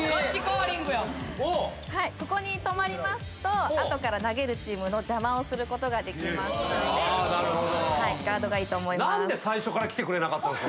ここに止まりますと後から投げるチームの邪魔をすることができますのでガードがいいと思います。